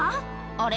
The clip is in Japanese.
あれ？